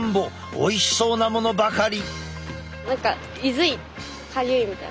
おいしそうなものばかり！